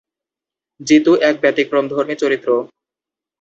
জিতু এক ব্যতিক্রমধর্মী চরিত্র।